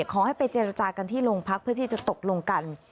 ขอให้ไปเจรจากันที่โรงพักเพื่อที่จะตกลงกัน